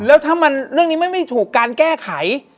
แล้วถ้ามันเรื่องนี้ไม่ถูกการแก้ไข